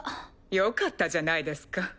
よかったじゃないですか。